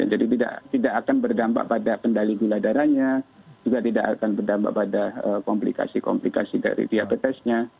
jadi tidak akan berdampak pada pendali gula darahnya juga tidak akan berdampak pada komplikasi komplikasi dari diabetesnya